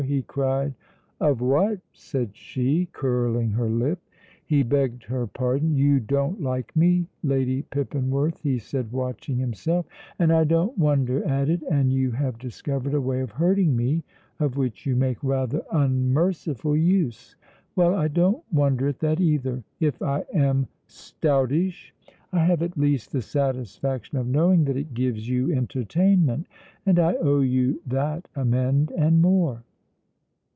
he cried. "Of what?" said she, curling her lip. He begged her pardon. "You don't like me, Lady Pippinworth," he said, watching himself, "and I don't wonder at it; and you have discovered a way of hurting me of which you make rather unmerciful use. Well, I don't wonder at that, either. If I am stoutish, I have at least the satisfaction of knowing that it gives you entertainment, and I owe you that amend and more."